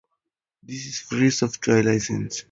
This is a free software license.